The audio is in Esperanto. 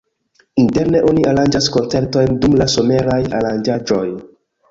Interne oni aranĝas koncertojn dum la someraj aranĝaĵoj.